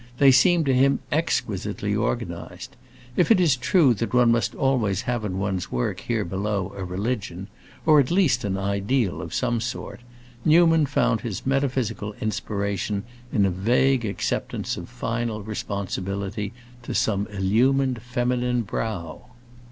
They seemed to him exquisitely organized. If it is true that one must always have in one's work here below a religion, or at least an ideal, of some sort, Newman found his metaphysical inspiration in a vague acceptance of final responsibility to some illumined feminine brow.